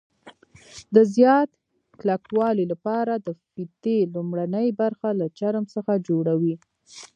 د زیات کلکوالي لپاره د فیتې لومړنۍ برخه له چرم څخه جوړوي.